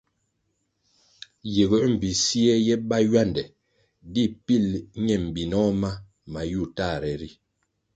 Yiguer mbpi siè ye bá ywande di pil ñe mbinoh ma mayu tahre ri.